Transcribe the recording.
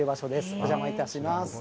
お邪魔いたします。